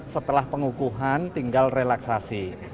setelah pengukuhan tinggal relaksasi